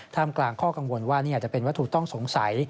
กลางข้อกังวลว่านี่อาจจะเป็นวัตถุต้องสงสัย